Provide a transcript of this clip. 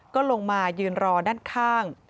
ก็ลงมายืนรอด้านข้าง